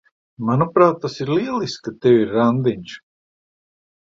Manuprāt, tas ir lieliski, ka tev ir randiņš.